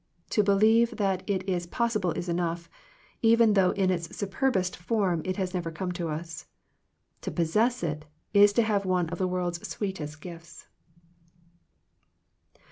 To believe that it is possible is enough, even though in its superbest form it has never come to us. To pos sess it, is to have one of the world's sweetest gifts.